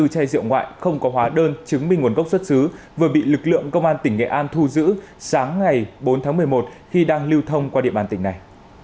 ba bốn trăm bảy mươi bốn chai rượu ngoại không có hóa đơn chứng minh nguồn gốc xuất xứ vừa bị lực lượng công an tỉnh nghệ an thu giữ sáng ngày bốn tháng một mươi một khi đang lưu thông qua địa bàn tỉnh này